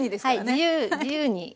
はい自由自由に。